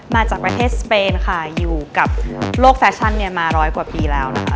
มาจากประเทศสเปนค่ะอยู่กับโลกแฟชั่นเนี่ยมาร้อยกว่าปีแล้วนะคะ